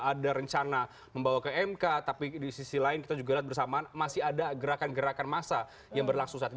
ada rencana membawa ke mk tapi di sisi lain kita juga lihat bersamaan masih ada gerakan gerakan massa yang berlangsung saat ini